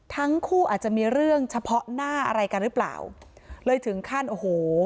ทั้งคู่อาจจะมีเรื่องเฉพาะหน้าอะไรกันหรือเปล่าเลยถึงขั้นโอ้โห